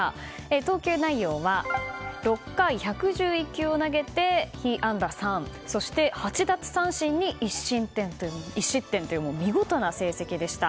投球内容は６回１１９球を投げて被安打３、８奪三振に１失点という見事な成績でした。